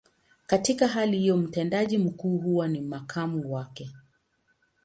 Katika hali hiyo, mtendaji mkuu huwa ni makamu wake.